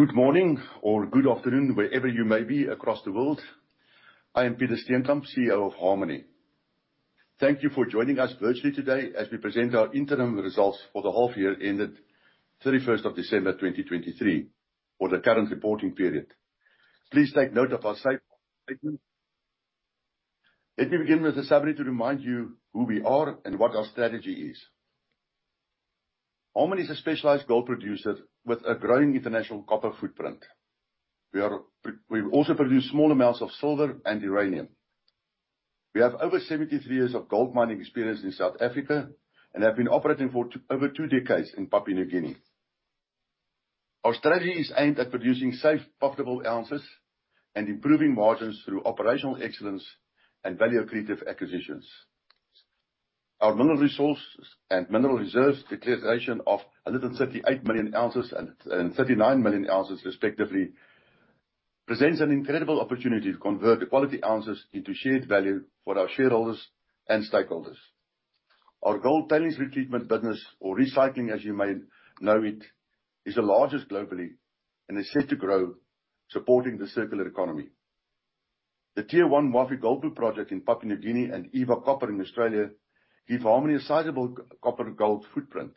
Good morning, or good afternoon, wherever you may be across the world. I am Peter Steenkamp, CEO of Harmony. Thank you for joining us virtually today as we present our interim results for the half-year ended 31st of December 2023, or the current reporting period. Please take note of our statements. Let me begin with a summary to remind you who we are and what our strategy is. Harmony is a specialized gold producer with a growing international copper footprint. We also produce small amounts of silver and uranium. We have over 73 years of gold mining experience in South Africa and have been operating for over two decades in Papua New Guinea. Our strategy is aimed at producing safe, profitable ounces and improving margins through operational excellence and value-creative acquisitions. Our mineral resources and mineral reserves declaration of 138 million oz and 39 million oz, respectively, presents an incredible opportunity to convert the quality ounces into shared value for our shareholders and stakeholders. Our gold tailings retreatment business, or recycling as you may know it, is the largest globally and is set to grow, supporting the circular economy. The Tier 1 Wafi-Golpu project in Papua New Guinea and Eva Copper in Australia give Harmony a sizable copper-gold footprint,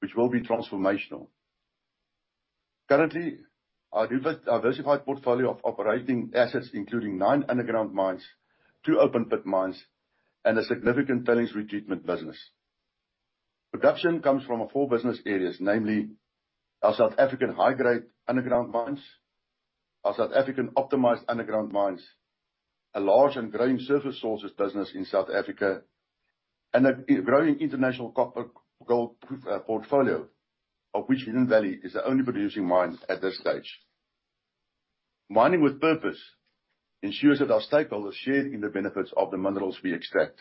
which will be transformational. Currently, our diversified portfolio of operating assets includes nine underground mines, two open-pit mines, and a significant tailings retreatment business. Production comes from four business areas, namely our South African high-grade underground mines, our South African optimized underground mines, a large and growing surface sources business in South Africa, and a growing international copper-gold portfolio, of which Hidden Valley is the only producing mine at this stage. Mining with purpose ensures that our stakeholders share in the benefits of the minerals we extract.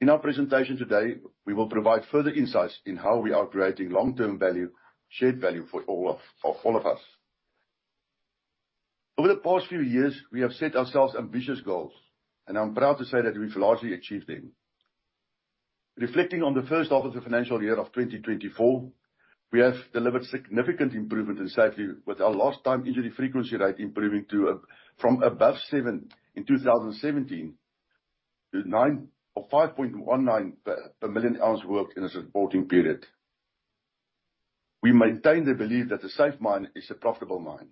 In our presentation today, we will provide further insights in how we are creating long-term value, shared value for all of us. Over the past few years, we have set ourselves ambitious goals, and I'm proud to say that we've largely achieved them. Reflecting on the first half of the financial year of 2024, we have delivered significant improvement in safety, with our lost-time injury frequency rate improving from above seven in 2017 to 5.19 per million oz worked in the supporting period. We maintain the belief that a safe mine is a profitable mine.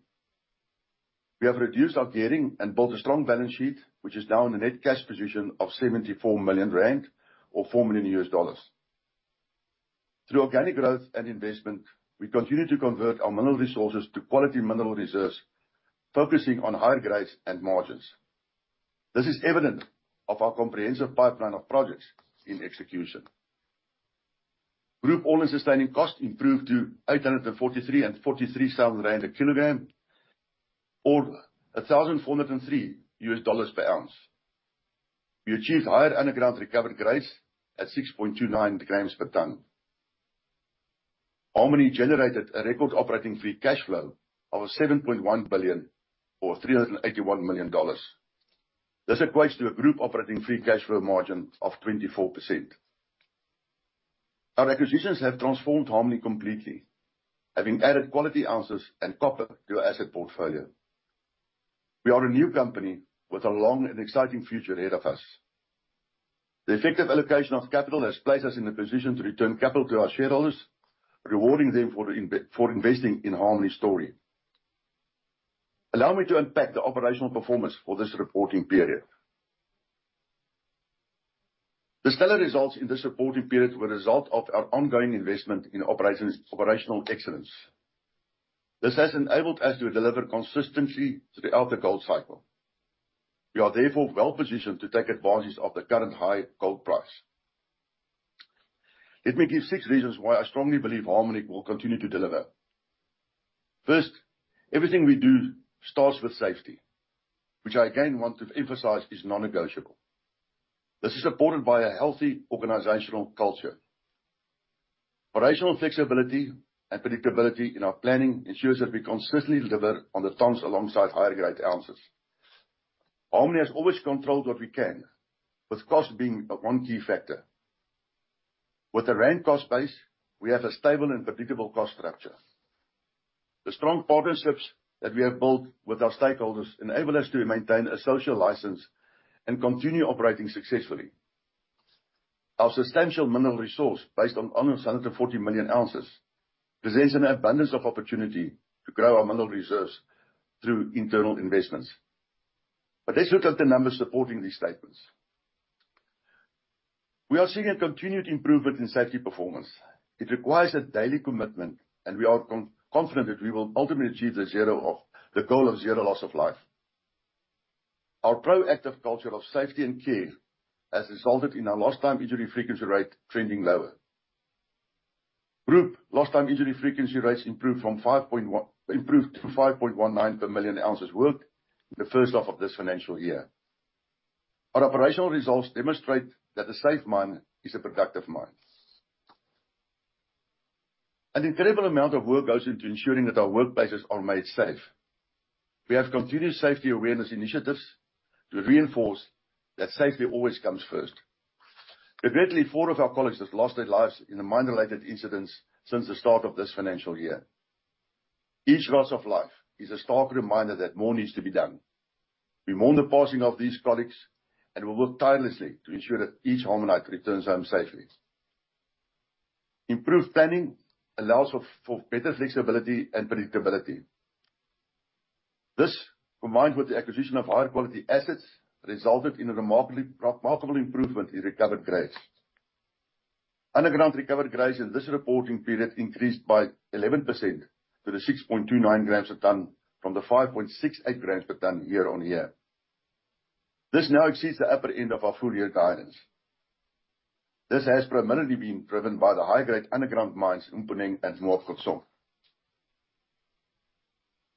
We have reduced our gearing and built a strong balance sheet, which is now in a net cash position of 74 million rand, or $4 million. Through organic growth and investment, we continue to convert our mineral resources to quality mineral reserves, focusing on higher grades and margins. This is evident of our comprehensive pipeline of projects in execution. Group all-in sustaining cost improved to 843.43 rand a kilogram, or $1,403 per ounce. We achieved higher underground recovered grades at 6.29 grams per ton. Harmony generated a record operating free cash flow of 7.1 billion, or $381 million. This equates to a group operating free cash flow margin of 24%. Our acquisitions have transformed Harmony completely, having added quality ounces and copper to our asset portfolio. We are a new company with a long and exciting future ahead of us. The effective allocation of capital has placed us in a position to return capital to our shareholders, rewarding them for investing in Harmony's story. Allow me to unpack the operational performance for this reporting period. The stellar results in this reporting period were a result of our ongoing investment in operational excellence. This has enabled us to deliver consistency throughout the gold cycle. We are therefore well-positioned to take advantage of the current high gold price. Let me give six reasons why I strongly believe Harmony will continue to deliver. First, everything we do starts with safety, which I again want to emphasize is non-negotiable. This is supported by a healthy organizational culture. Operational flexibility and predictability in our planning ensure that we consistently deliver on the tons alongside higher-grade ounces. Harmony has always controlled what we can, with cost being one key factor. With a rand cost base, we have a stable and predictable cost structure. The strong partnerships that we have built with our stakeholders enable us to maintain a social license and continue operating successfully. Our substantial mineral resource, based on 140 million oz, presents an abundance of opportunity to grow our mineral reserves through internal investments. But let's look at the numbers supporting these statements. We are seeing a continued improvement in safety performance. It requires a daily commitment, and we are confident that we will ultimately achieve the goal of zero loss of life. Our proactive culture of safety and care has resulted in our lost-time injury frequency rate trending lower. Group lost-time injury frequency rates improved to 5.19 per million oz worked in the first half of this financial year. Our operational results demonstrate that a safe mine is a productive mine. An incredible amount of work goes into ensuring that our workplaces are made safe. We have continued safety awareness initiatives to reinforce that safety always comes first. Regrettably, four of our colleagues have lost their lives in the mine-related incidents since the start of this financial year. Each loss of life is a stark reminder that more needs to be done. We mourn the passing of these colleagues and will work tirelessly to ensure that each Harmonite returns home safely. Improved planning allows for better flexibility and predictability. This, combined with the acquisition of higher-quality assets, resulted in a remarkable improvement in recovered grades. Underground recovered grades in this reporting period increased by 11% to the 6.29 grams per ton from the 5.68 grams per ton year-on-year. This now exceeds the upper end of our full-year guidance. This has primarily been driven by the high-grade underground mines in Mponeng and Moab Khotsong.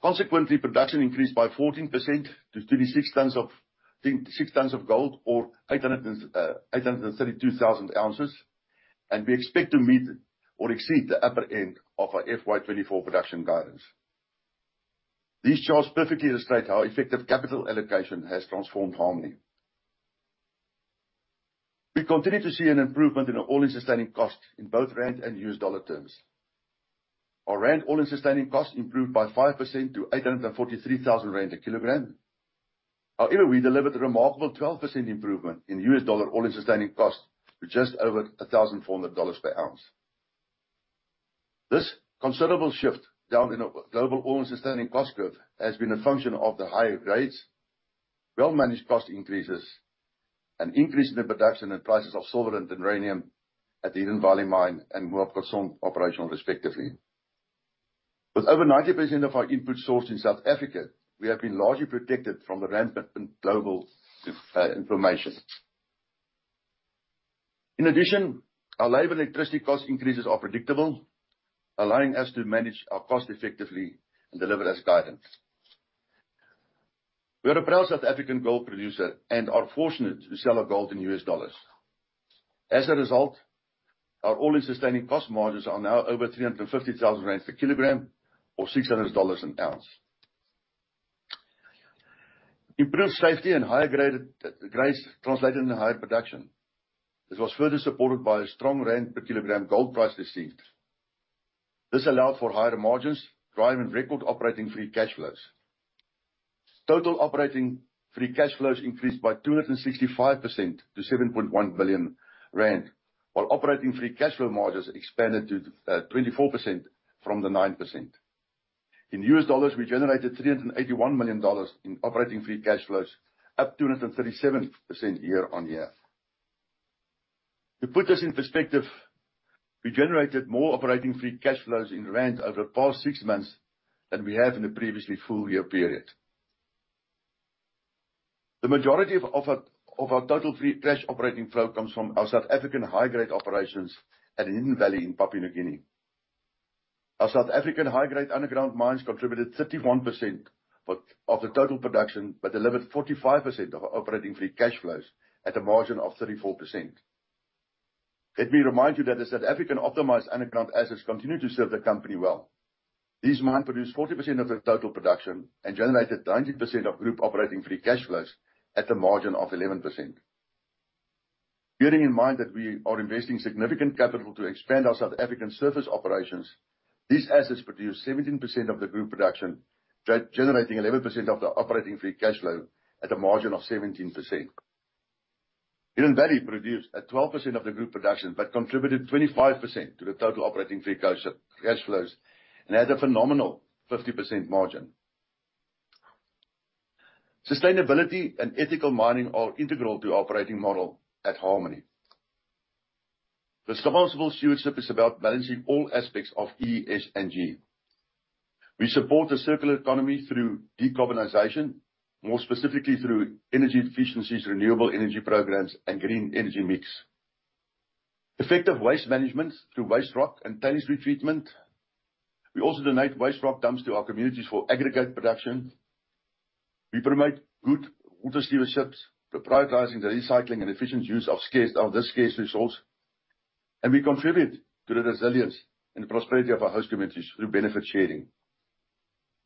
Consequently, production increased by 14% to 26 tons of gold, or 832,000 oz, and we expect to meet or exceed the upper end of our FY2024 production guidance. These charts perfectly illustrate how effective capital allocation has transformed Harmony. We continue to see an improvement in our all-in sustaining cost in both rand and US dollar terms. Our rand all-in sustaining cost improved by 5% to 843,000 rand a kilogram. However, we delivered a remarkable 12% improvement in US dollar all-in sustaining cost to just over $1,400 per ounce. This considerable shift down in the global all-in sustaining cost curve has been a function of the higher grades, well-managed cost increases, and increase in the production and prices of silver and uranium at the Hidden Valley mine and Moab Khotsong operation, respectively. With over 90% of our inputs sourced in South Africa, we have been largely protected from the rampant global inflation. In addition, our labor and electricity cost increases are predictable, allowing us to manage our costs effectively and deliver as guided. We are a proud South African gold producer and are fortunate to sell our gold in U.S. dollars. As a result, our all-in sustaining cost margins are now over 350,000 rand per kilogram, or $600 an ounce. Improved safety and higher grades translated into higher production. This was further supported by a strong rand per kilogram gold price received. This allowed for higher margins, driving record operating free cash flows. Total operating free cash flows increased by 265% to 7.1 billion rand, while operating free cash flow margins expanded to 24% from the 9%. In US dollars, we generated $381 million in operating free cash flows, up 237% year-over-year. To put this in perspective, we generated more operating free cash flows in rand over the past six months than we have in the previously full-year period. The majority of our total free cash operating flow comes from our South African high-grade operations at the Hidden Valley in Papua New Guinea. Our South African high-grade underground mines contributed 31% of the total production, but delivered 45% of our operating free cash flows at a margin of 34%. Let me remind you that the South African optimized underground assets continue to serve the company well. These mines produce 40% of the total production and generated 90% of group operating free cash flows at a margin of 11%. Keeping in mind that we are investing significant capital to expand our South African surface operations, these assets produce 17% of the group production, generating 11% of the operating free cash flow at a margin of 17%. Hidden Valley produced 12% of the group production, but contributed 25% to the total operating free cash flows and had a phenomenal 50% margin. Sustainability and ethical mining are integral to the operating model at Harmony. Responsible stewardship is about balancing all aspects of ESG. We support the circular economy through decarbonization, more specifically through energy efficiencies, renewable energy programs, and green energy mix. Effective waste management through waste rock and tailings retreatment. We also donate waste rock dumps to our communities for aggregate production. We promote good water stewardships, prioritizing the recycling and efficient use of this scarce resource, and we contribute to the resilience and prosperity of our host communities through benefit sharing.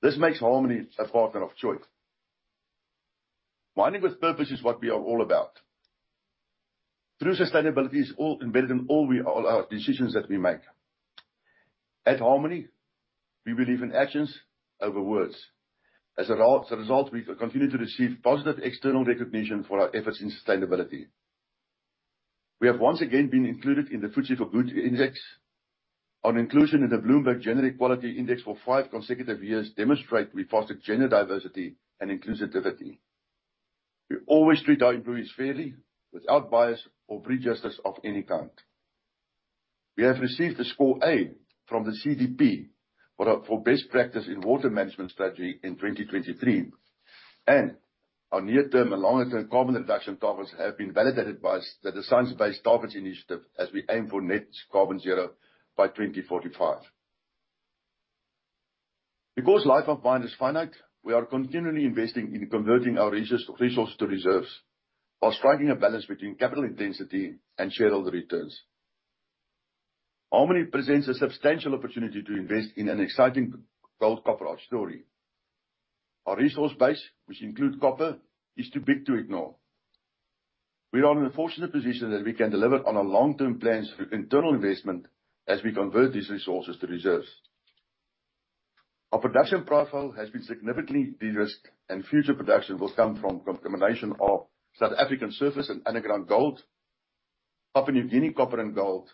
This makes Harmony a partner of choice. Mining with purpose is what we are all about. True sustainability is embedded in all our decisions that we make. At Harmony, we believe in actions over words. As a result, we continue to receive positive external recognition for our efforts in sustainability. We have once again been included in the FTSE/JSE Responsible Investment Index. Our inclusion in the Bloomberg Gender-Equality Index for five consecutive years demonstrates we foster gender diversity and inclusivity. We always treat our employees fairly, without bias or prejudices of any kind. We have received a Score A from the CDP for Best Practice in Water Management Strategy in 2023, and our near-term and longer-term carbon reduction targets have been validated by the Science-Based Targets Initiative as we aim for net carbon zero by 2045. Because life of mine is finite, we are continually investing in converting our resources to reserves while striking a balance between capital intensity and shareholder returns. Harmony presents a substantial opportunity to invest in an exciting gold copper-gold story. Our resource base, which includes copper, is too big to ignore. We are in a fortunate position that we can deliver on our long-term plans through internal investment as we convert these resources to reserves. Our production profile has been significantly de-risked, and future production will come from a combination of South African surface and underground gold, Papua New Guinea copper and gold,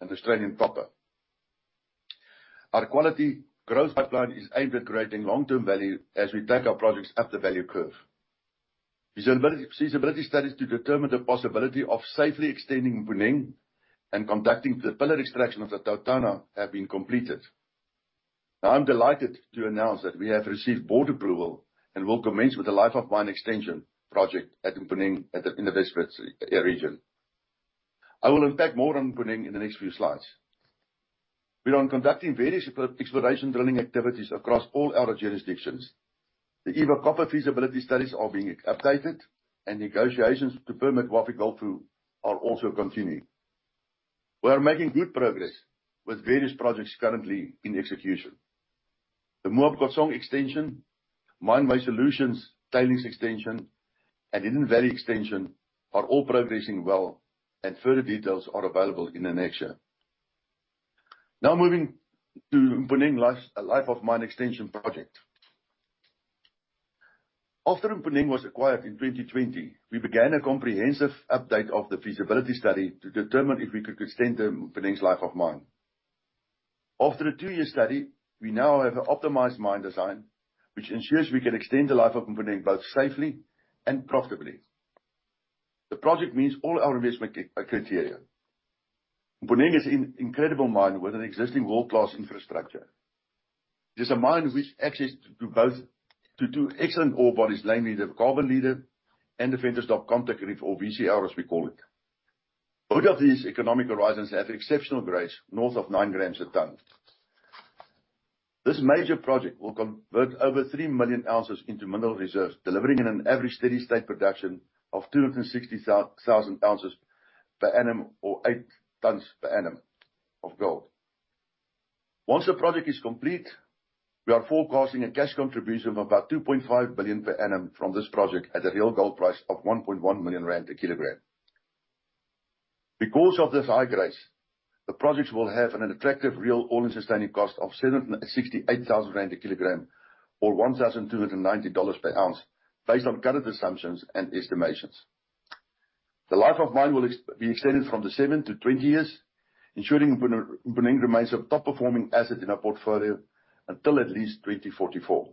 and Australian copper. Our quality growth pipeline is aimed at creating long-term value as we take our projects up the value curve. Feasibility studies to determine the possibility of safely extending Mponeng and conducting the pillar extraction of the TauTona have been completed. I'm delighted to announce that we have received board approval and will commence with the Life of Mine Extension project in Mponeng in the West Wits region. I will unpack more on Mponeng in the next few slides. We are conducting various exploration drilling activities across all our jurisdictions. The Eva Copper feasibility studies are being updated, and negotiations to permit Wafi-Golpu are also continuing. We are making good progress with various projects currently in execution. The Moab Khotsong Extension, Mine Waste Solutions Tailings Extension, and Hidden Valley Extension are all progressing well, and further details are available in the next year. Now moving to Mponeng Life of Mine Extension project. After Mponeng was acquired in 2020, we began a comprehensive update of the feasibility study to determine if we could extend Mponeng's Life of Mine. After a 2-year study, we now have an optimized mine design, which ensures we can extend the Life of Mponeng both safely and profitably. The project meets all our investment criteria. Mponeng is an incredible mine with an existing world-class infrastructure. It is a mine with access to two excellent ore bodies, namely the Carbon Leader and the Ventersdorp Contact Reef, or VCR as we call it. Both of these economic horizons have exceptional grades north of 9 g/t. This major project will convert over 3 million oz into mineral reserves, delivering an average steady-state production of 260,000 oz per annum, or 8 tons per annum of gold. Once the project is complete, we are forecasting a cash contribution of about 2.5 billion per annum from this project at a real gold price of 1.1 million rand a kilogram. Because of this high grade, the projects will have an attractive real all-in sustaining cost of 768,000 rand a kilogram, or $1,290 per ounce, based on current assumptions and estimations. The life of mine will be extended from seven to 20 years, ensuring Mponeng remains a top-performing asset in our portfolio until at least 2044.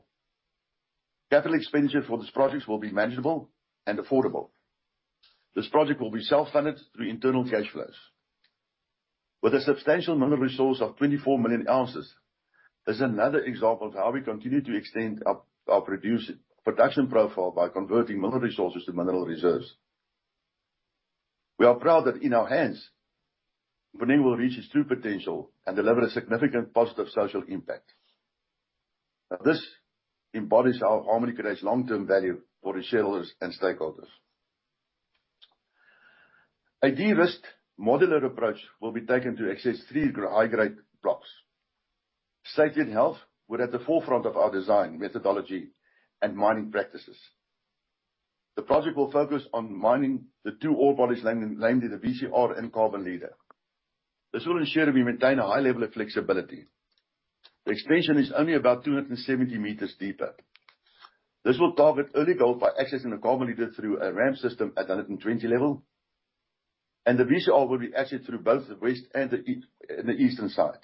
Capital expenditure for these projects will be manageable and affordable. This project will be self-funded through internal cash flows. With a substantial mineral resource of 24 million oz, this is another example of how we continue to extend our production profile by converting mineral resources to mineral reserves. We are proud that in our hands, Mponeng will reach its true potential and deliver a significant positive social impact. This embodies how Harmony creates long-term value for its shareholders and stakeholders. A de-risked modular approach will be taken to access three high-grade blocks. Safety and health were at the forefront of our design, methodology, and mining practices. The project will focus on mining the two ore bodies namely the VCR and Carbon Leader. This will ensure that we maintain a high level of flexibility. The extension is only about 270 meters deeper. This will target early gold by accessing the Carbon Leader through a ramp system at the 120 level, and the VCR will be accessed through both the west and the eastern side.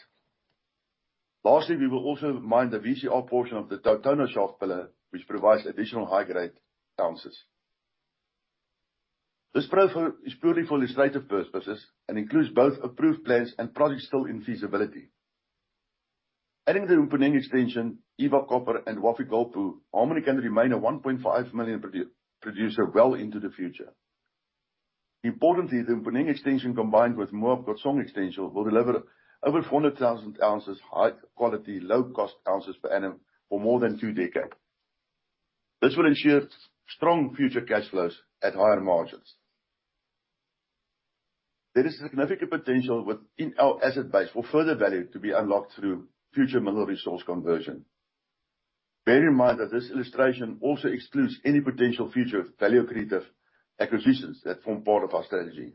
Lastly, we will also mine the VCR portion of the TauTona shaft pillar, which provides additional high-grade ounces. This profile is purely for illustrative purposes and includes both approved plans and projects still in feasibility. Adding to the Mponeng Extension, Eva Copper, and Wafi-Golpu, Harmony can remain a 1.5 million producer well into the future. Importantly, the Mponeng Extension combined with Moab Khotsong Extension will deliver over 400,000 high-quality, low-cost ounces per annum for more than two decades. This will ensure strong future cash flows at higher margins. There is significant potential within our asset base for further value to be unlocked through future mineral resource conversion. Bear in mind that this illustration also excludes any potential future value-creating acquisitions that form part of our strategy.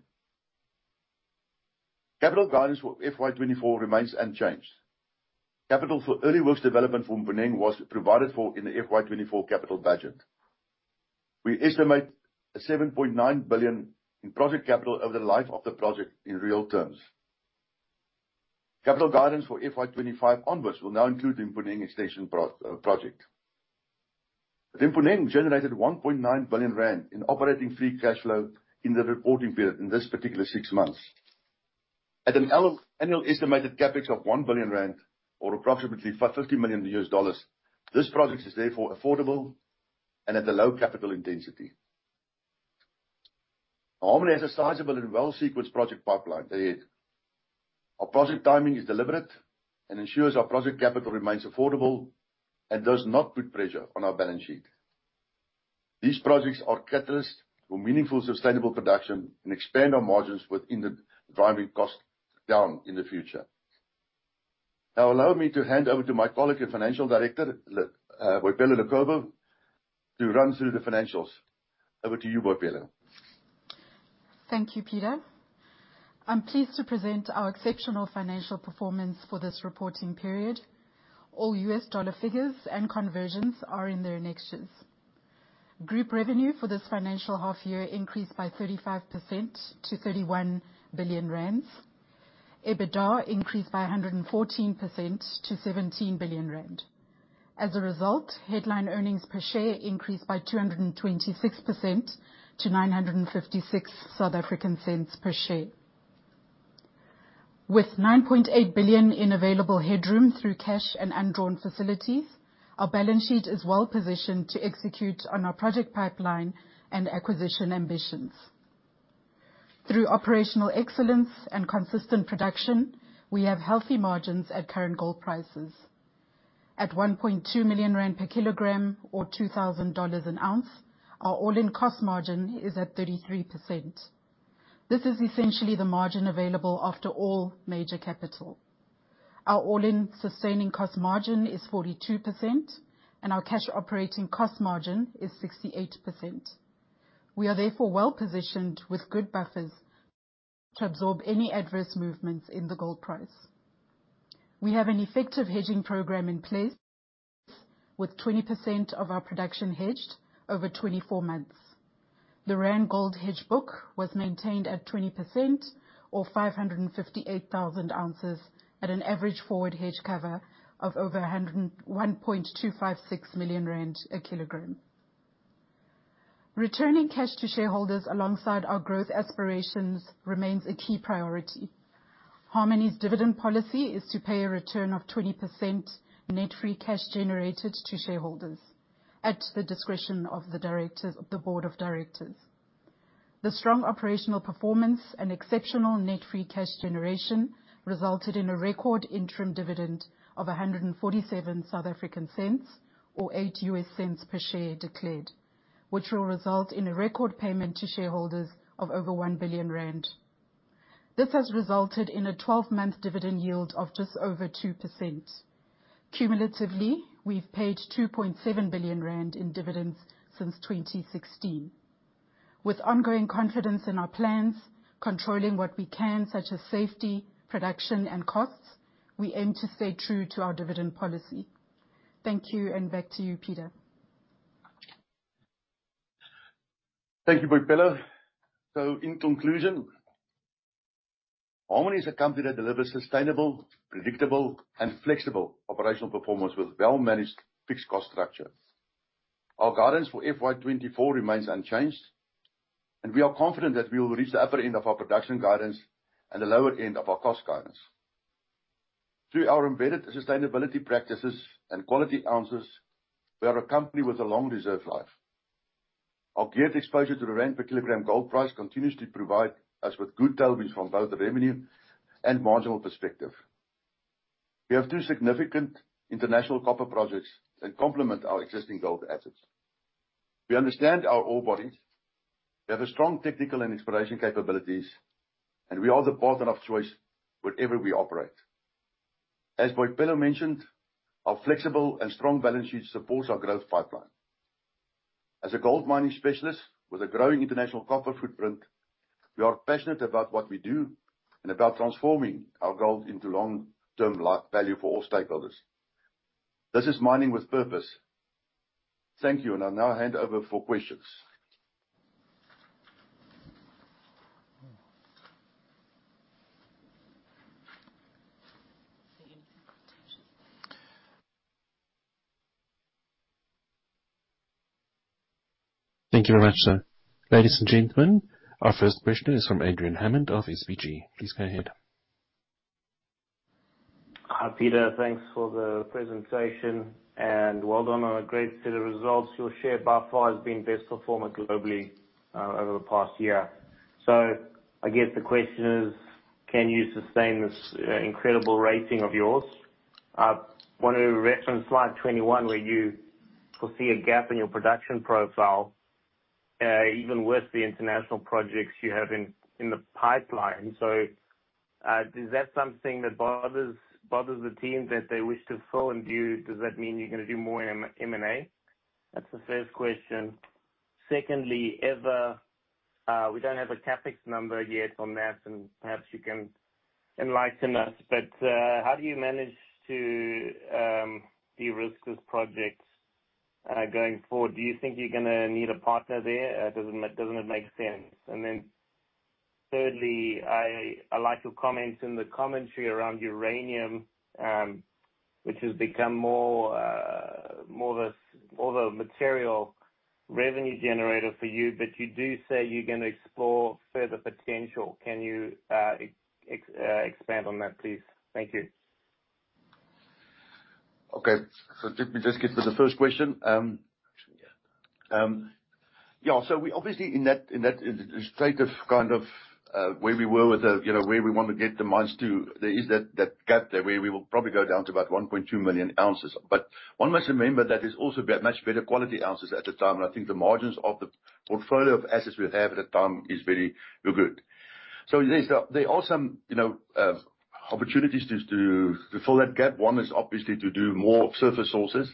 Capital guidance for FY24 remains unchanged. Capital for early works development from Mponeng was provided for in the FY24 capital budget. We estimate 7.9 billion in project capital over the life of the project in real terms. Capital guidance for FY25 onwards will now include the Mponeng Extension project. The Mponeng generated 1.9 billion rand in operating free cash flow in the reporting period in this particular six months. At an annual estimated CapEx of 1 billion rand, or approximately $50 million US dollars, this project is therefore affordable and at a low capital intensity. Harmony has a sizable and well-sequenced project pipeline. Our project timing is deliberate and ensures our project capital remains affordable and does not put pressure on our balance sheet. These projects are catalysts for meaningful sustainable production and expand our margins within the driving cost down in the future. Now, allow me to hand over to my colleague and Financial Director, Boipelo Lekubo, to run through the financials. Over to you, Boipelo. Thank you, Peter. I'm pleased to present our exceptional financial performance for this reporting period. All U.S. dollar figures and conversions are in their annexures. Group revenue for this financial half-year increased by 35% to 31 billion rand. EBITDA increased by 114% to 17 billion rand. As a result, headline earnings per share increased by 226% to 9.56 per share. With 9.8 billion in available headroom through cash and undrawn facilities, our balance sheet is well-positioned to execute on our project pipeline and acquisition ambitions. Through operational excellence and consistent production, we have healthy margins at current gold prices. At 1.2 million rand per kilogram, or $2,000 an ounce, our all-in cost margin is at 33%. This is essentially the margin available after all major capital. Our all-in sustaining cost margin is 42%, and our cash operating cost margin is 68%. We are therefore well-positioned with good buffers to absorb any adverse movements in the gold price. We have an effective hedging program in place with 20% of our production hedged over 24 months. The rand gold hedge book was maintained at 20%, or 558,000 oz, at an average forward hedge cover of over 1.256 million rand a kilogram. Returning cash to shareholders alongside our growth aspirations remains a key priority. Harmony's dividend policy is to pay a return of 20% net free cash generated to shareholders at the discretion of the board of directors. The strong operational performance and exceptional net free cash generation resulted in a record interim dividend of 1.47, or $0.08 per share declared, which will result in a record payment to shareholders of over 1 billion rand. This has resulted in a 12-month dividend yield of just over 2%. Cumulatively, we've paid 2.7 billion rand in dividends since 2016. With ongoing confidence in our plans, controlling what we can such as safety, production, and costs, we aim to stay true to our dividend policy. Thank you, and back to you, Peter. Thank you, Boipelo. In conclusion, Harmony is a company that delivers sustainable, predictable, and flexible operational performance with well-managed fixed cost structure. Our guidance for FY2024 remains unchanged, and we are confident that we will reach the upper end of our production guidance and the lower end of our cost guidance. Through our embedded sustainability practices and quality ounces, we are a company with a long reserve life. Our geared exposure to the rand per kilogram gold price continues to provide us with good tailwinds from both revenue and marginal perspective. We have two significant international copper projects that complement our existing gold assets. We understand our ore bodies. We have strong technical and exploration capabilities, and we are the partner of choice wherever we operate. As Boipelo mentioned, our flexible and strong balance sheet supports our growth pipeline. As a gold mining specialist with a growing international copper footprint, we are passionate about what we do and about transforming our gold into long-term value for all stakeholders. This is mining with purpose. Thank you, and I'll now hand over for questions. Thank you very much, sir. Ladies and gentlemen, our first questioner is from Adrian Hammond of SBG. Please go ahead. Hi, Peter. Thanks for the presentation, and well done on a great set of results. Your share by far has been best performer globally over the past year. I guess the question is, can you sustain this incredible rating of yours? I want to reference slide 21 where you foresee a gap in your production profile, even worse the international projects you have in the pipeline. Is that something that bothers the team that they wish to fill, and does that mean you're going to do more in M&A? That's the first question. Secondly, we don't have a capex number yet on that, and perhaps you can enlighten us. How do you manage to de-risk this project going forward? Do you think you're going to need a partner there? Doesn't it make sense? Then, thirdly, I like your comments in the commentary around uranium, which has become more of a material revenue generator for you, but you do say you're going to explore further potential. Can you expand on that, please? Thank you. Okay. Let me just get to the first question. Obviously, in that straight-up kind of where we were with where we want to get the mines to, there is that gap there where we will probably go down to about 1.2 million oz. But one must remember that there's also much better quality ounces at the time, and I think the margins of the portfolio of assets we have at the time were good. There are some opportunities to fill that gap. One is obviously to do more surface sources.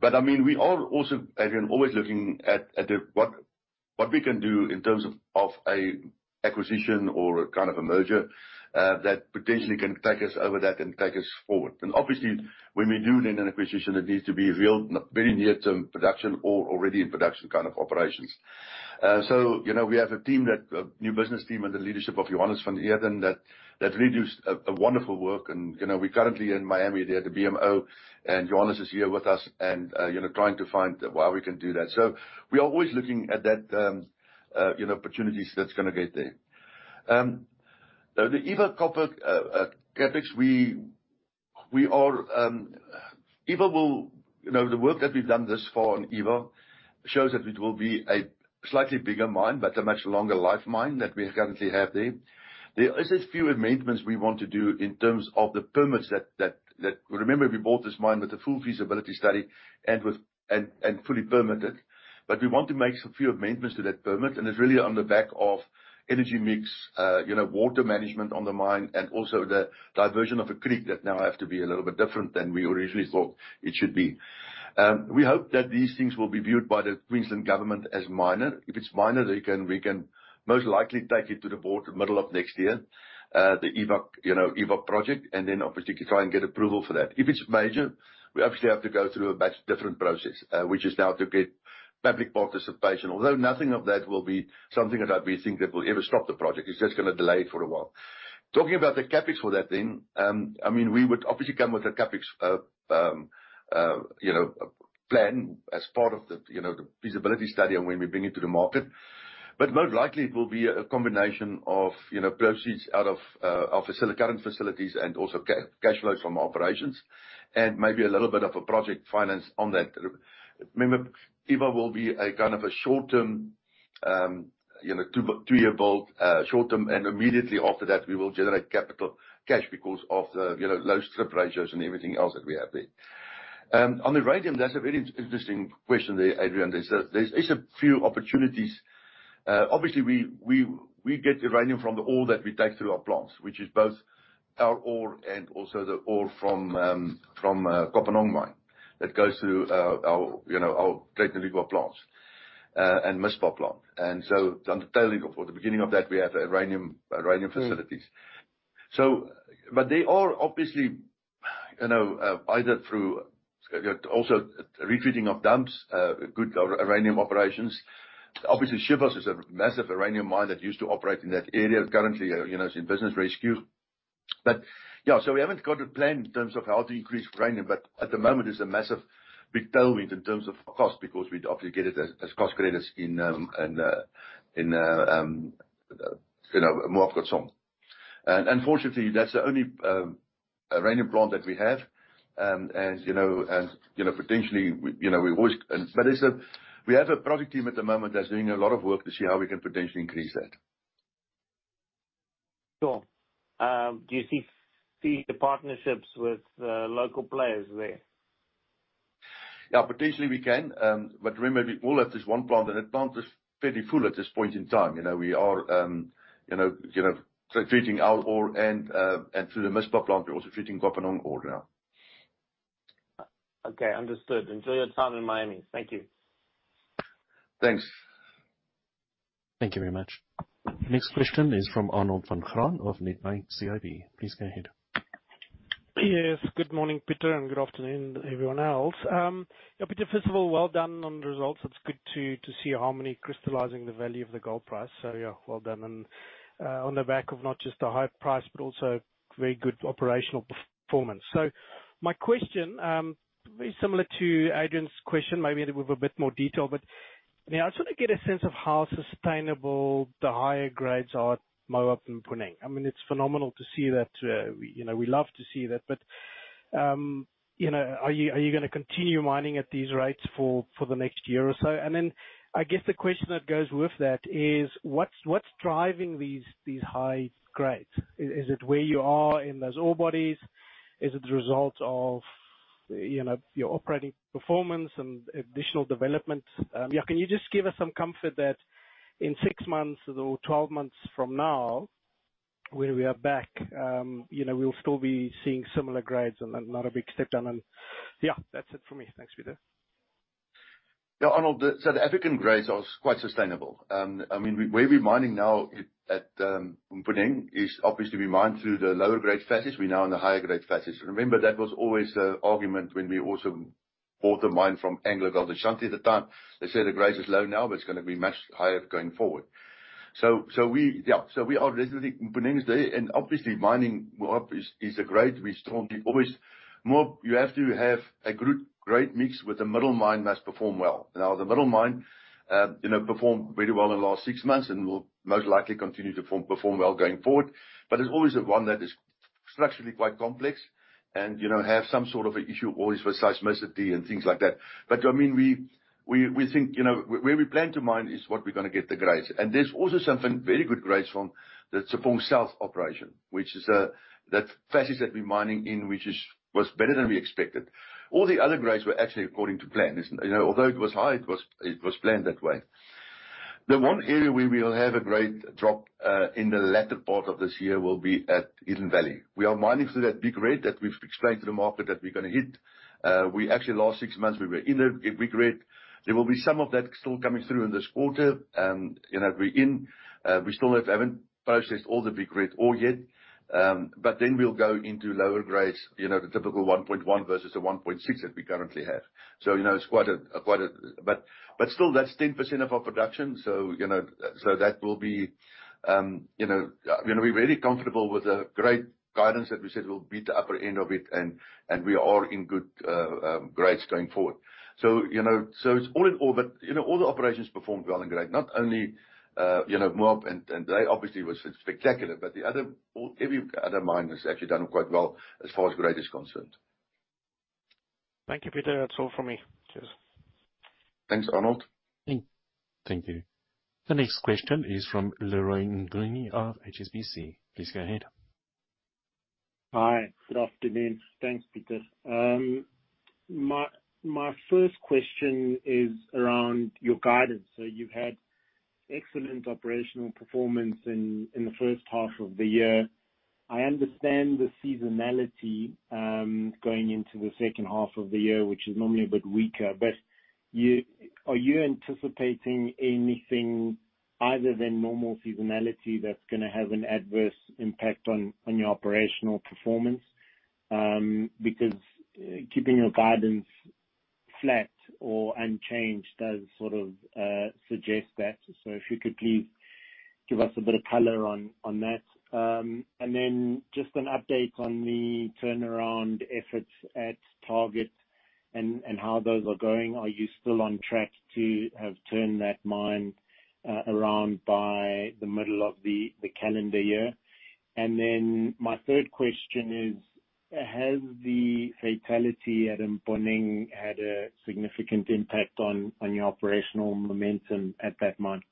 But we are also, Adrian, always looking at what we can do in terms of an acquisition or a kind of a merger that potentially can take us over that and take us forward. Obviously, when we do then an acquisition, it needs to be very near-term production or already in production kind of operations. We have a new business team under the leadership of Johannes van Eerden that really does wonderful work. We're currently in Miami there at the BMO, and Johannes is here with us trying to find why we can do that. We are always looking at that opportunity that's going to get there. The Eva Copper CapEx, we are Eva will the work that we've done thus far on Eva shows that it will be a slightly bigger mine, but a much longer-life mine that we currently have there. There are a few amendments we want to do in terms of the permits that remember, we bought this mine with a full feasibility study and fully permitted, but we want to make a few amendments to that permit, and it's really on the back of energy mix, water management on the mine, and also the diversion of a creek that now has to be a little bit different than we originally thought it should be. We hope that these things will be viewed by the Queensland government as minor. If it's minor, then we can most likely take it to the board in the middle of next year, the Eva Copper project, and then obviously try and get approval for that. If it's major, we actually have to go through a much different process, which is now to get public participation, although nothing of that will be something that we think that will ever stop the project. It's just going to delay it for a while. Talking about the capex for that then, we would obviously come with a capex plan as part of the feasibility study and when we bring it to the market. But most likely, it will be a combination of proceeds out of our current facilities and also cash flows from operations, and maybe a little bit of a project finance on that. Remember, Eva will be a kind of a short-term, two-year-built, short-term, and immediately after that, we will generate capital cash because of the low strip ratios and everything else that we have there. On the uranium, that's a very interesting question there, Adrian. There's a few opportunities. Obviously, we get uranium from the ore that we take through our plants, which is both our ore and also the ore from Kopanang mine that goes through our treatment legacy plants and Mispah plant. At the beginning of that, we have uranium facilities. But they are obviously either through also retreating of dumps, good uranium operations. Obviously, Shiva is a massive uranium mine that used to operate in that area, currently it's in business rescue. We haven't got a plan in terms of how to increase uranium, but at the moment, there's a massive big tailwind in terms of cost because we'd obviously get it as by-product credits in Moab Khotsong. Unfortunately, that's the only uranium plant that we have, and potentially, we have a project team at the moment that's doing a lot of work to see how we can potentially increase that. Sure. Do you see the partnerships with local players there? Potentially, we can. But remember, we all have this one plant, and that plant is fairly full at this point in time. We are treating our ore, and through the Mispah plant, we're also treating Kopanang ore now. Okay. Understood. Enjoy your time in Miami. Thank you. Thanks. Thank you very much. Next question is from Arnold van Graan of Nedbank CIB. Please go ahead. Yes. Good morning, Peter, and good afternoon, everyone else. Peter, first of all, well done on the results. It's good to see Harmony crystallizing the value of the gold price. Well done. On the back of not just the high price, but also very good operational performance. My question, very similar to Adrian's question, maybe with a bit more detail, but I just want to get a sense of how sustainable the higher grades are at Moab and Mponeng. It's phenomenal to see that. We love to see that. But are you going to continue mining at these rates for the next year or so? Then, I guess the question that goes with that is, what's driving these high grades? Is it where you are in those ore bodies? Is it the result of your operating performance and additional development? Can you just give us some comfort that in six months or 12 months from now, when we are back, we'll still be seeing similar grades and not a big step down? That's it for me. Thanks, Peter. Arnold, the African grades are quite sustainable. Where we're mining now at Mponeng is obviously we mine through the lower-grade faces. We're now in the higher-grade faces. Remember, that was always the argument when we also bought the mine from AngloGold Ashanti at the time. They said the grade is low now, but it's going to be much higher going forward. We are residing in Mponeng there, and obviously, mining is great. We strongly believe you always have to have a great mix with a middle mine that must perform well. Now, the middle mine performed very well in the last six months and will most likely continue to perform well going forward, but it's always the one that is structurally quite complex and has some sort of an issue always with seismicity and things like that. But we think where we plan to mine is what we're going to get the grades. There's also some very good grades from the Tshepong South operation, which is that faces that we're mining in, which was better than we expected. All the other grades were actually according to plan, although it was high, it was planned that way. The one area where we'll have a great drop in the latter part of this year will be at Hidden Valley. We are mining through that big reef that we've explained to the market that we're going to hit. Actually, last six months, we were in that big reef. There will be some of that still coming through in this quarter. We're in. We still haven't processed all the big reef ore yet, but then we'll go into lower grades, the typical 1.1 versus the 1.6 that we currently have. It's quite a bit still, that's 10% of our production, so that will be we're very comfortable with the great guidance that we said will beat the upper end of it, and we are in good grades going forward. It's all in all, but all the operations performed well and great, not only Moab, and that obviously was spectacular, but every other mine has actually done quite well as far as grade is concerned. Thank you, Peter. That's all from me. Cheers. Thanks, Arnold. Thank you. The next question is from Leroy Mnguni of HSBC. Please go ahead. Hi. Good afternoon. Thanks, Peter. My first question is around your guidance. You've had excellent operational performance in the first half of the year. I understand the seasonality going into the second half of the year, which is normally a bit weaker, but are you anticipating anything other than normal seasonality that's going to have an adverse impact on your operational performance? Because keeping your guidance flat or unchanged does sort of suggest that. If you could please give us a bit of color on that. Then, just an update on the turnaround efforts at Target and how those are going. Are you still on track to have turned that mine around by the middle of the calendar year? Then, my third question is, has the fatality at Mponeng had a significant impact on your operational momentum at that mine?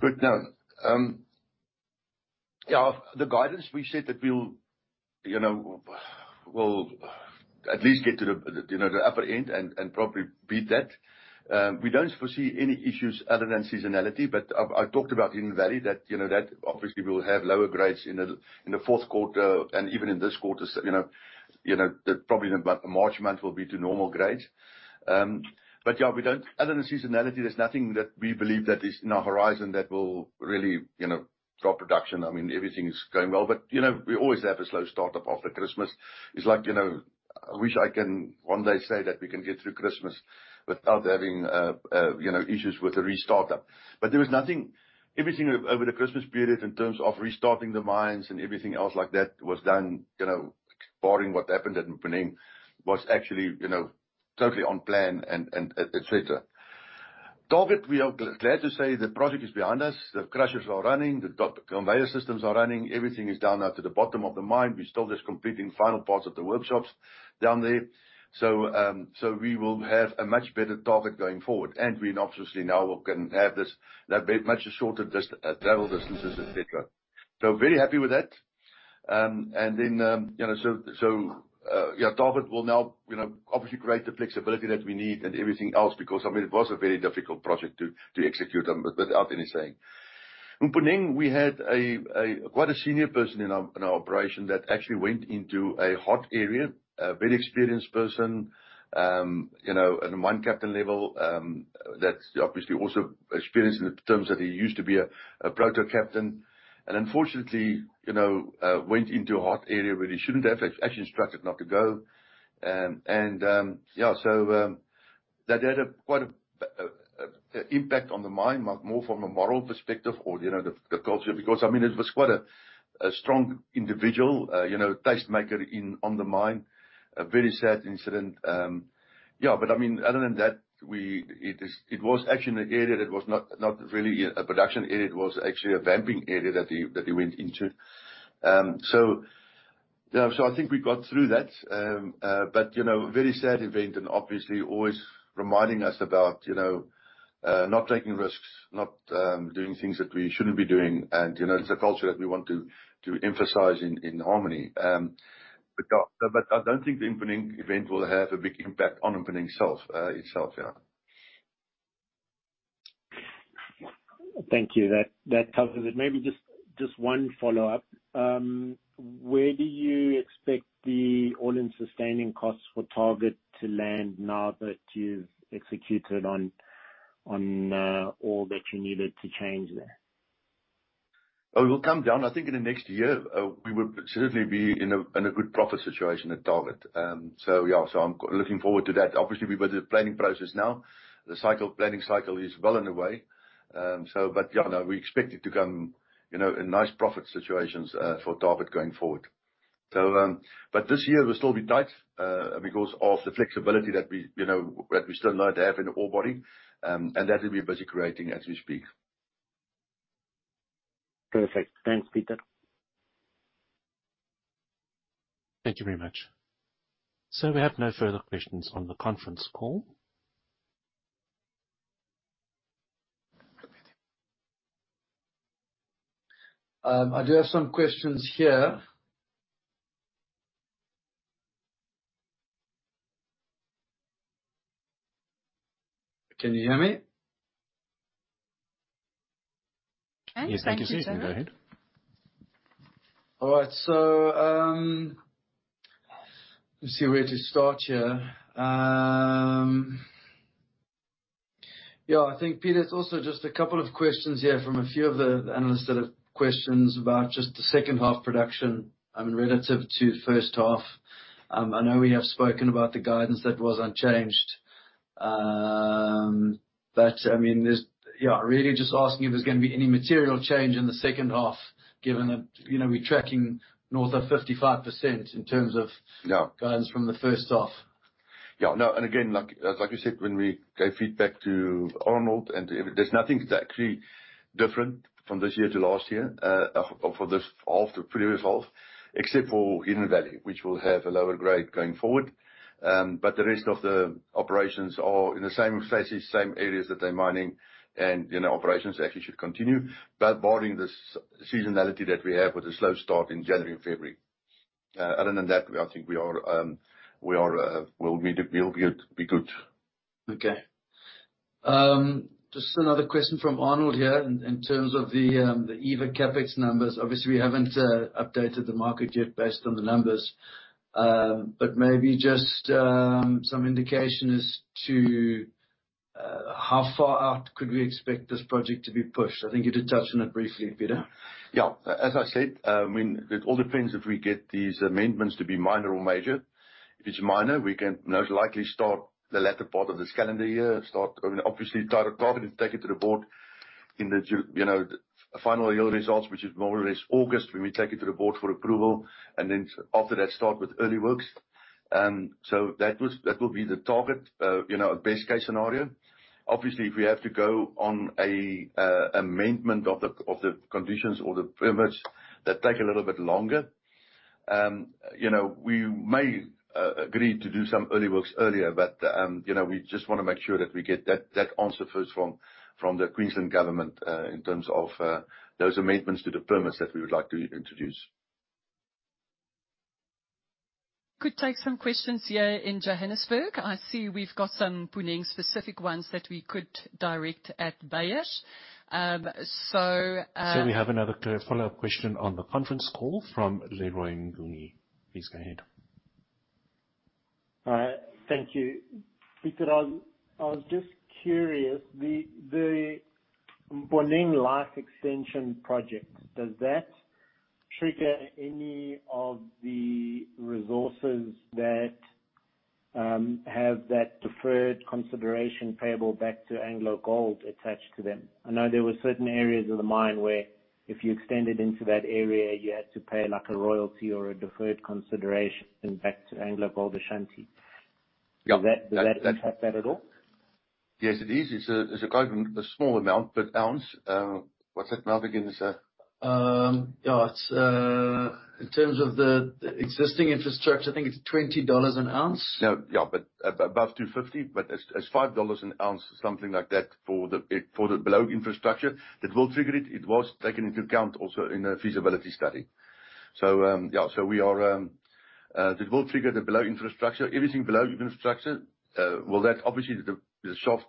Good note. The guidance, we said that we'll at least get to the upper end and probably beat that. We don't foresee any issues other than seasonality, but I talked about Hidden Valley that obviously will have lower grades in the fourth quarter and even in this quarter. Probably March month will be to normal grades. But other than seasonality, there's nothing that we believe that is in our horizon that will really drop production. Everything is going well, but we always have a slow startup after Christmas. It's like, I wish I can one day say that we can get through Christmas without having issues with a restartup. But everything over the Christmas period in terms of restarting the mines and everything else like that was done, barring what happened at Kusasalethu, was actually totally on plan, et cetera. Target, we are glad to say the project is behind us. The crushers are running. The conveyor systems are running. Everything is down now to the bottom of the mine. We still just completing final parts of the workshops down there. We will have a much better target going forward, and we obviously now can have much shorter travel distances, etc. Very happy with that. Then, Target will now obviously create the flexibility that we need and everything else because it was a very difficult project to execute without any seismic. In PNG, we had quite a senior person in our operation that actually went into a hot area, a very experienced person at a mine captain level that's obviously also experienced in the team that he used to be a pit captain, and unfortunately, went into a hot area where they shouldn't have. They actually instructed not to go. That had quite an impact on the mine, more from a moral perspective or the culture because it was quite a strong individual, tastemaker on the mine, a very sad incident. But other than that, it was actually an area that was not really a production area. It was actually a vamping area that he went into. I think we got through that, but a very sad event and obviously always reminding us about not taking risks, not doing things that we shouldn't be doing. It's a culture that we want to emphasize in Harmony. But I don't think the Mponeng event will have a big impact on Mponeng itself. Thank you. That covers it. Maybe just one follow-up. Where do you expect the all-in sustaining costs for Target to land now that you've executed on all that you needed to change there? It will come down. I think in the next year, we would certainly be in a good profit situation at Target. I'm looking forward to that. Obviously, we're with the planning process now. The planning cycle is well underway, but we expect it to come in nice profit situations for Target going forward. But this year, it will still be tight because of the flexibility that we still need to have in the ore body, and that will be busy creating as we speak. Perfect. Thanks, Peter. Thank you very much. We have no further questions on the conference call. I do have some questions here. Can you hear me? Yes. Thank you, Steven. Go ahead. All right. Let me see where to start here. I think, Peter, it's also just a couple of questions here from a few of the analysts that have questions about just the second half production relative to first half. I know we have spoken about the guidance that was unchanged, but really just asking if there's going to be any material change in the second half given that we're tracking north of 55% in terms of guidance from the first half. And again, as you said, when we gave feedback to Arnold, there's nothing that's actually different from this year to last year for this half, the previous half, except for Hidden Valley, which will have a lower grade going forward. But the rest of the operations are in the same faces, same areas that they're mining, and operations actually should continue barring the seasonality that we have with a slow start in January and February. Other than that, I think we'll be good. Okay. Just another question from Arnold here in terms of the EVA CapEx numbers. Obviously, we haven't updated the market yet based on the numbers, but maybe just some indication as to how far out could we expect this project to be pushed? I think you did touch on it briefly, Peter. As I said, it all depends if we get these amendments to be minor or major. If it's minor, we can most likely start the latter part of this calendar year, start obviously targeting to take it to the board in the final yield results, which is more or less August when we take it to the board for approval, and then after that, start with early works. That will be the target, a best-case scenario. Obviously, if we have to go on an amendment of the conditions or the permits, that take a little bit longer. We may agree to do some early works earlier, but we just want to make sure that we get that answer first from the Queensland government in terms of those amendments to the permits that we would like to introduce. Could take some questions here in Johannesburg. I see we've got some Mponeng-specific ones that we could direct at Beyers. We have another follow-up question on the conference call from Leroy Nguni. Please go ahead. Thank you, Peter. I was just curious, the Mponeng Life Extension project, does that trigger any of the resources that have that deferred consideration payable back to AngloGold Ashanti attached to them? I know there were certain areas of the mine where if you extended into that area, you had to pay a royalty or a deferred consideration back to AngloGold Ashanti. Does that impact that at all? Yes, it is. It's a small amount, but per ounce, what's that amount again? In terms of the existing infrastructure, I think it's $20 an ounce. Above 250,000, but it's $5 an ounce, something like that for the below infrastructure. That will trigger it. It was taken into account also in a feasibility study. That will trigger the below infrastructure. Everything below infrastructure, obviously, the shaft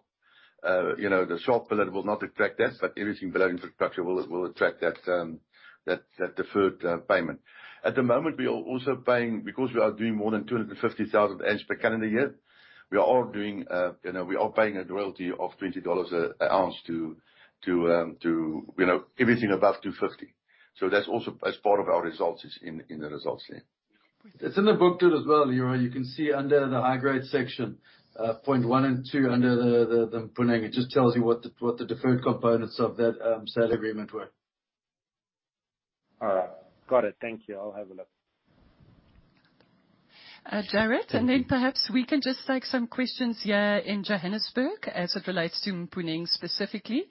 pillar will not attract that, but everything below infrastructure will attract that deferred payment. At the moment, we are also paying because we are doing more than 250,000 oz per calendar year, we are paying a royalty of $20 an ounce to everything above 250,000. That's also as part of our results in the results there. It's in the book, too, as well. You can see under the high-grade section, point one and two under the Mponeng, it just tells you what the deferred components of that sale agreement were. All right. Got it. Thank you. I'll have a look. Jared, and then perhaps we can just take some questions here in Johannesburg as it relates to Mponeng specifically.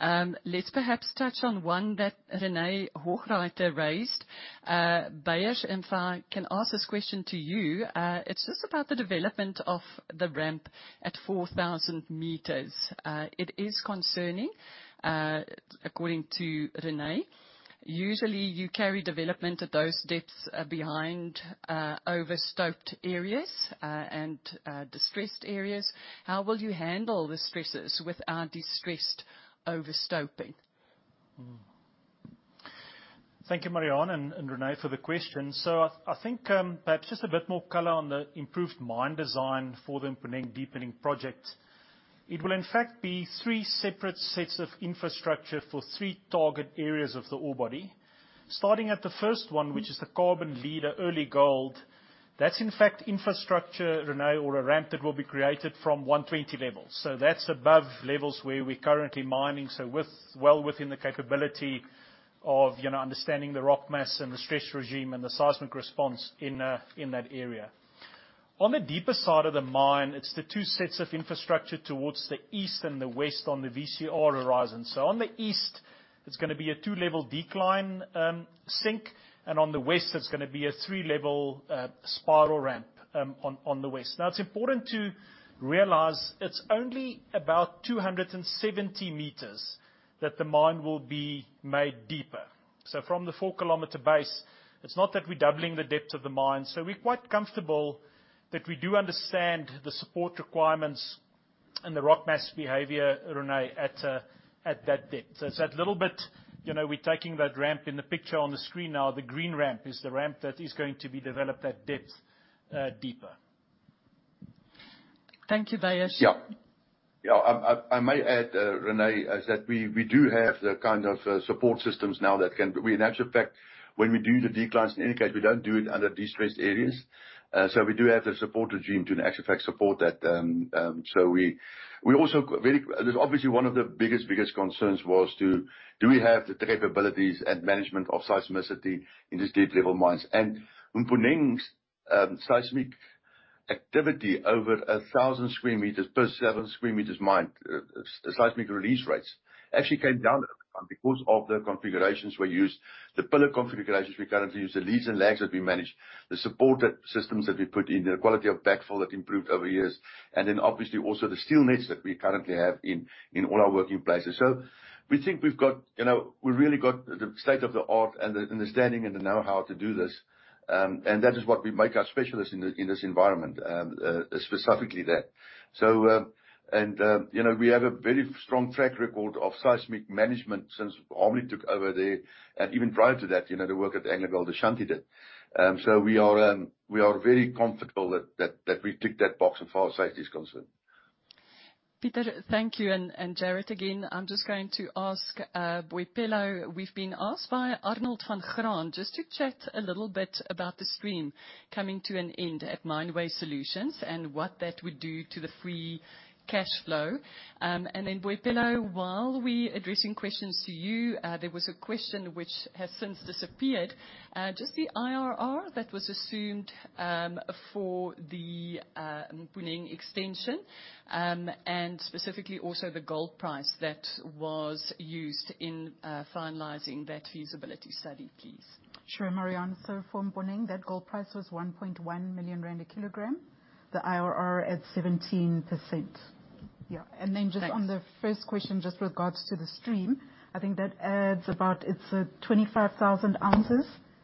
Let's perhaps touch on one that René Hochreiter raised. Beyers, in fact, can ask this question to you. It's just about the development of the ramp at 4,000 meters. It is concerning, according to René. Usually, you carry development at those depths behind overstowed areas and destressed areas. How will you handle the stresses without destress over-stowing? Thank you, Marianne and René, for the question. I think perhaps just a bit more color on the improved mine design for the Mponeng Deepening project. It will, in fact, be three separate sets of infrastructure for three target areas of the ore body. Starting at the first one, which is the carbon leader, early gold, that's, in fact, infrastructure, René, or a ramp that will be created from 120 levels. That's above levels where we're currently mining, well within the capability of understanding the rock mass and the stress regime and the seismic response in that area. On the deeper side of the mine, it's the two sets of infrastructure towards the east and the west on the VCR horizon. On the east, it's going to be a two-level decline sink, and on the west, it's going to be a three-level spiral ramp on the west. Now, it's important to realize it's only about 270 meters that the mine will be made deeper. From the 4-kilometer base, it's not that we're doubling the depth of the mine, so we're quite comfortable that we do understand the support requirements and the rock mass behavior, René, at that depth. It's that little bit we're taking that ramp in the picture on the screen now. The green ramp is the ramp that is going to be developed at depth deeper. Thank you, Beyers. I may add, René, is that we do have the kind of support systems now that can in actual fact, when we do the declines in any case, we don't do it under distressed areas. We do have the support regime too, in actual fact, support that. We also very obviously, one of the biggest, biggest concerns was to do we have the capabilities and management of seismicity in these deep-level mines. In Mponeng, seismic activity over 1,000 sq m per 7 sq m mine, seismic release rates actually came down over time because of the configurations we use, the pillar configurations we currently use, the leads and lags that we manage, the support systems that we put in, the quality of backfill that improved over years, and then obviously also the steel nets that we currently have in all our working places. We think we've got we really got the state of the art and the understanding and the know-how to do this, and that is what we make our specialists in this environment, specifically that. We have a very strong track record of seismic management since Harmony took over there and even prior to that, the work that AngloGold Ashanti did. We are very comfortable that we ticked that box and allayed safety concerns. Peter, thank you. Jared, again, I'm just going to ask Boipelo. We've been asked by Arnold van Graan just to chat a little bit about the stream coming to an end at Mine Waste Solutions and what that would do to the free cash flow. Then, Boipelo, while we're addressing questions to you, there was a question which has since disappeared. Just the IRR that was assumed for the Mponeng extension and specifically also the gold price that was used in finalizing that feasibility study, please. Sure, Marianne. For Mponeng, that gold price was 1.1 million rand a kilogram, the IRR at 17%. Then just on the first question, just with regards to the stream, I think that adds about it's 25,000 oz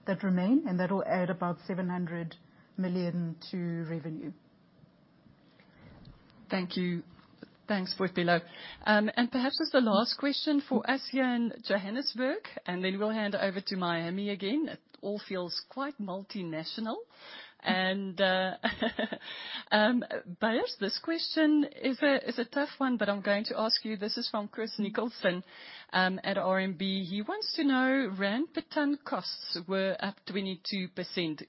that remain, and that will add about 700 million to revenue. Thank you. Thanks, Boipelo. Perhaps just the last question for Asia and Johannesburg, and then we'll hand over to Miami again. It all feels quite multinational. Beyers, this question is a tough one, but I'm going to ask you. This is from Chris Nicholson at RMB. He wants to know, ZAR per ton costs were up 22%.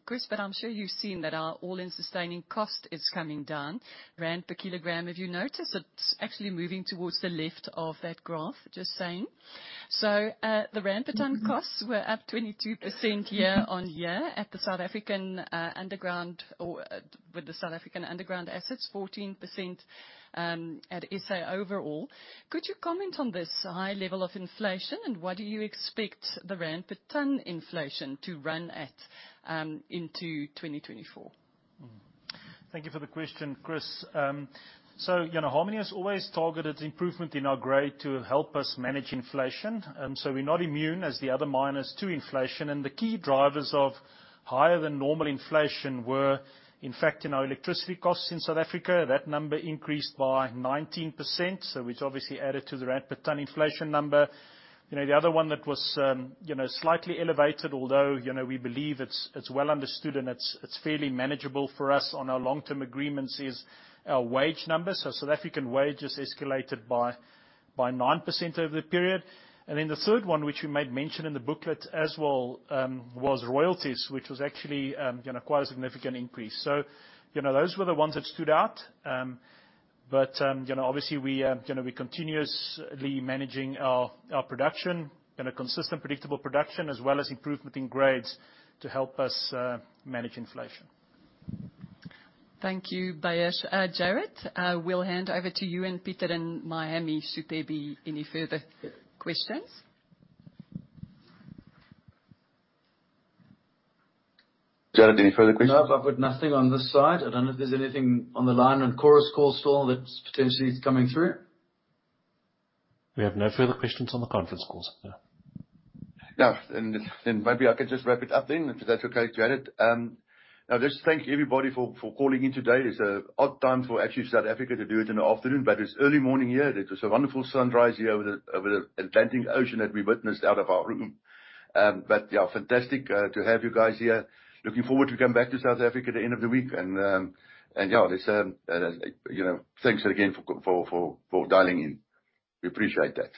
Chris, but I'm sure you've seen that our oil and sustaining cost is coming down. ZAR per kilogram, have you noticed? It's actually moving towards the left of that graph, just saying. The ZAR per ton costs were up 22% year-over-year at the South African underground with the South African underground assets, 14% at SA overall. Could you comment on this high level of inflation, and what do you expect the ZAR per ton inflation to run at into 2024? Thank you for the question, Chris. Harmony has always targeted improvement in our grade to help us manage inflation. We're not immune as the other miners to inflation, and the key drivers of higher than normal inflation were, in fact, our electricity costs in South Africa. That number increased by 19%, which obviously added to the rand per ton inflation number. The other one that was slightly elevated, although we believe it's well understood and it's fairly manageable for us on our long-term agreements, is our wage numbers. South African wages escalated by 9% over the period. Then the third one, which we might mention in the booklet as well, was royalties, which was actually quite a significant increase. Those were the ones that stood out, but obviously, we're continuously managing our production, consistent, predictable production, as well as improvement in grades to help us manage inflation. Thank you, Beyers. Jared, we'll hand over to you and Peter in Miami so there'll be any further questions. Jared, any further questions? No, but nothing on this side. I don't know if there's anything on the line on Chorus Calls still that's potentially coming through. We have no further questions on the conference calls. Maybe I could just wrap it up then, if that's okay, Jared. Just thank everybody for calling in today. It's an odd time for actually South Africa to do it in the afternoon, but it's early morning here. There's a wonderful sunrise here over the Atlantic Ocean that we witnessed out of our room. Fantastic to have you guys here. Looking forward to coming back to South Africa at the end of the week. Thanks again for dialing in. We appreciate that.